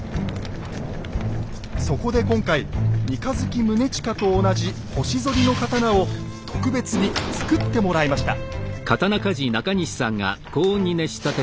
そこで今回「三日月宗近」と同じ腰反りの刀を特別につくってもらいました。